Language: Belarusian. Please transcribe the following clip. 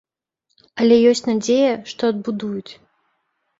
Але ёсць надзея, што адбудуюць.